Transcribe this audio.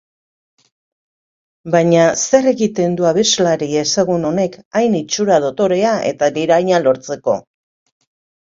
Baina zer egiten du abeslari ezagun honek hain itxura dotorea eta liraina lortzeko?